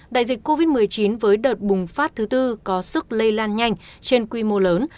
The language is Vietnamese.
đại dịch covid một mươi chín với đợt bùng phát thứ tư có sức lây lan nhanh trên quy mô lớn